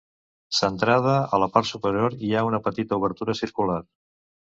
Centrada, a la part superior, hi ha una petita obertura circular.